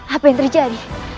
apa yang terjadi